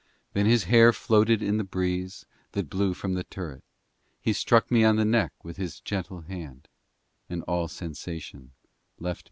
Vil Then His hair floated in the breeze That blew from the turret ; He struck me on the neck With His gentle hand, And all sensation left me.